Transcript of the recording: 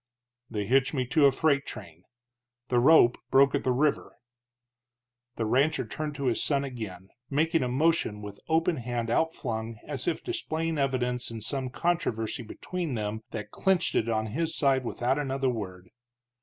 "They hitched me to a freight train. The rope broke at the river." The rancher turned to his son again, making a motion with open hand outflung as if displaying evidence in some controversy between them that clinched it on his side without another word.